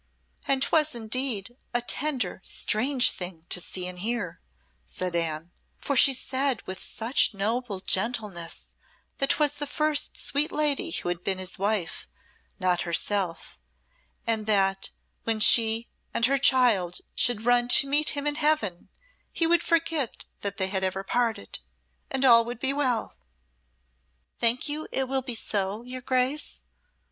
"And 'twas, indeed, a tender, strange thing to see and hear," said Anne, "for she said with such noble gentleness, that 'twas the first sweet lady who had been his wife not herself and that when she and her child should run to meet him in heaven he would forget that they had ever parted and all would be well. Think you it will be so, your Grace?"